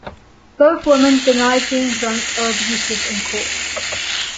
Both women denied being drunk or abusive in court.